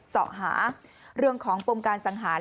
สอบหาเรื่องของปมการสังหาร